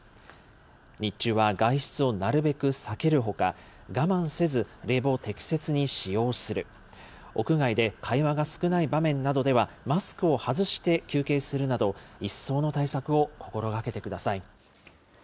日中は外出をなるべく避けるほか、我慢せず、冷房を適切に使用する、屋外で会話が少ない場面などではマスクを外して休憩するなど、一層の対策を心がけてください。